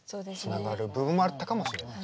つながる部分もあったかもしれない。